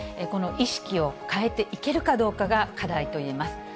この意識を変えていけるかどうかが課題と言えます。